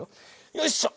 よいしょ！